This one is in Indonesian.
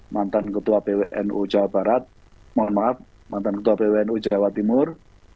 mantan ketua pwnu jawa timur